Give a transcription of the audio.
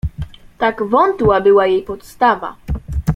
Tak wątła była jej podstawa.